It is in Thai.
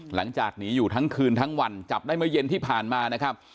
หลังจากหนีอยู่ทั้งคืนทั้งวันจับได้เมื่อเย็นที่ผ่านมานะครับ